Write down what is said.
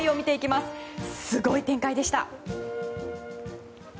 すごい展開でした。